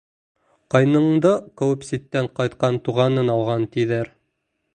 Ҡайныңды ҡыуып ситтән ҡайтҡан туғанын алған, тиҙәр.